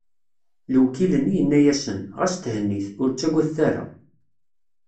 Lewkil-nni yenna-asen: Ɣas thennit, ur ttagadet ara!